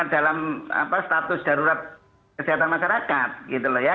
dalam status darurat kesehatan masyarakat gitu loh ya